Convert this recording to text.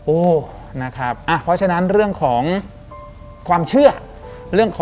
โอ้วเพราะฉะนั้นเรื่องของความเชื่อ